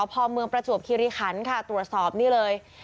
พอเมืองประจวบคิริขันค่ะตรวจสอบนี่เลย